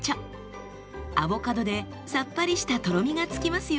アボカドでさっぱりしたとろみがつきますよ。